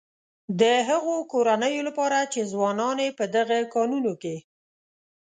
د هغه کورنيو لپاره چې ځوانان يې په دغه کانونو کې.